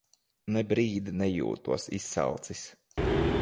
Ne brīdi nejūtos izsalcis.